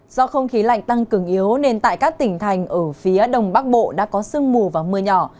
do không khí lạnh tăng cường yếu nên tại các tỉnh thành ở phía đông bắc bộ đã có sương mù và mưa nhỏ